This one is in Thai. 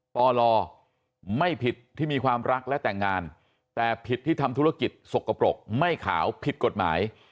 ปลไม่ผิดที่มีความรักและแต่งงานแต่ผิดที่ทำธุรกิจสกปรกไม่ขาวผิดกฎหมาย